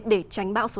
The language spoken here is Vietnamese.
để tránh bão số năm